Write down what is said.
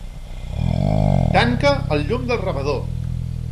Tanca el llum del rebedor.